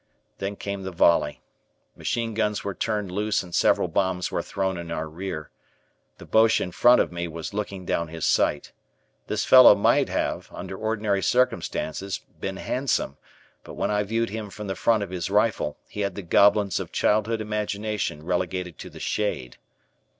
Then came the volley. Machine guns were turned loose and several bombs were thrown in our rear. The Boche in front of me was looking down his sight. This fellow might have, under ordinary circumstances, been handsome, but when I viewed him from the front of his rifle he had the goblins of childhood imagination relegated to the shade.